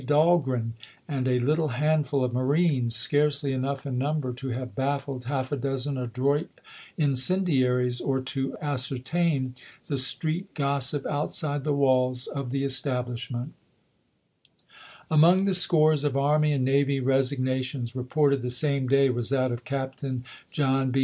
Dahlgren and a little handful of marines, scarcely enough in number to have bafiSed half a dozen adroit incendiaries, or to as 142 ABEAHAM LINCOLN J.H.,Diary MS. Chap. VII. certaiu the street gossip outside the walls of the establishment.^ Among the scores of army and navy resigna tions reported the same day was that of Captain John B.